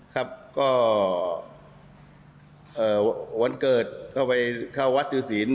ก็วันเกิดเข้าวัดชื่อสีน